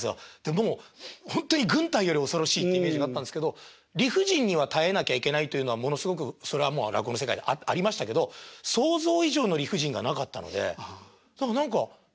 もうほんとに軍隊より恐ろしいっていうイメージがあったんですけど理不尽には耐えなきゃいけないというのはものすごくそれはもう落語の世界でありましたけど想像以上の理不尽がなかったので何か楽しいっていうのはありましたね。